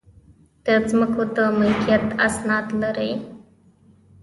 د ځمکې د ملکیت اسناد لرئ؟